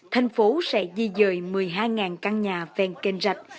thành phố sẽ di dời một mươi hai căn nhà ven kênh rạch